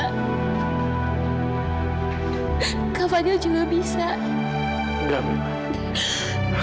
kak fadil juga bisa